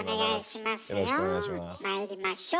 まいりましょう。